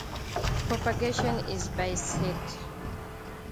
Propagation is by seed.